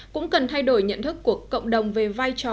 cũng cần thay đổi nhận thức của cộng đồng về vai trò